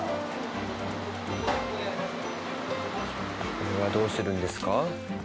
これはどうするんですか？